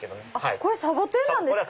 これサボテンなんですか